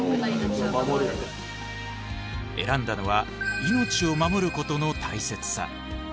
選んだのは「命を守ることの大切さ」。